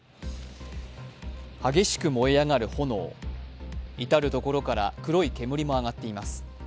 激しく燃え上がる炎、至る所から黒い煙も上がっています。